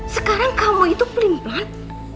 sekarang kamu itu pelimpat